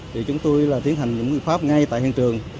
thì chúng tôi là tiến hành những biện pháp ngay tại hiện trường